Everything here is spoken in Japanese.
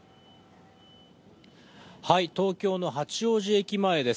東京の八王子駅前です。